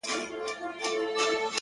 پاچا که د جلاد پر وړاندي داسي خاموش وو